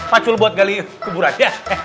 pacul buat kali kubur aja